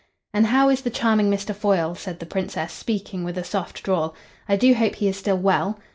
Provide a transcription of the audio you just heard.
"And how is the charming Mr. Foyle?" said the Princess, speaking with a soft drawl. "I do hope he is still well."